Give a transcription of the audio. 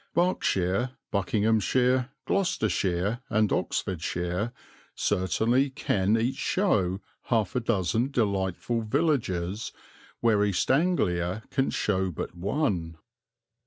Berks, Bucks, Gloucestershire, and Oxfordshire certainly can each show half a dozen delightful villages where East Anglia can show but one.